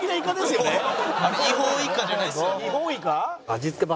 あれ違法イカじゃないですよね？